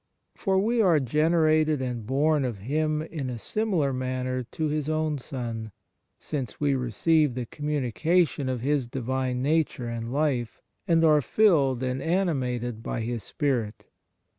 For we are generated and born of Him in a similar manner to His own Son, since we receive the communication of His Divine nature and life, and are filled and animated by His Spirit.